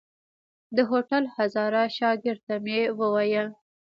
د هوټل هزاره شاګرد ته مې وويل.